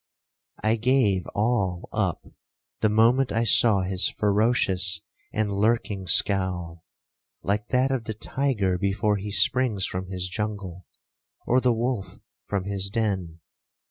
I gave all up the moment I saw his ferocious and lurking scowl, like that of the tiger before he springs from his jungle, or the wolf from his den.